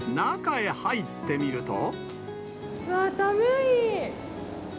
うわー、寒い。